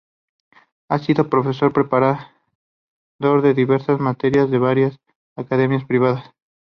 Ha sido profesor preparador de diversas materias en varias academias privadas.